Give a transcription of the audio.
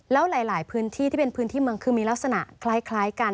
แล้วหลายพื้นที่ที่เป็นพื้นที่เมืองคือมีลักษณะคล้ายกัน